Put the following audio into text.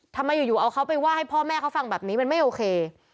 ทำไมอยู่เอาเขาไปว่าให้พ่อแม่เขาฟังแบบนี้มันไม่โอเค